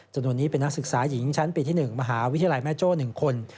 จำนวนนี้เป็นนักศึกษาหญิงชั้นปีที่๑มหาวิทยาลัยแม่โจ้๑คน